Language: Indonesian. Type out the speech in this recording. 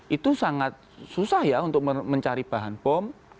itu sangat susah ya untuk mencari bahan bom